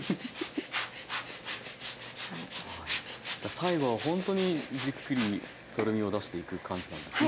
最後はほんとにじっくりとろみを出していく感じなんですね。